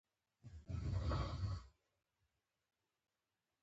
ګلان نرم پاڼې لري.